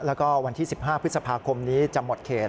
แล้วก็วันที่๑๕พฤษภาคมนี้จะหมดเขต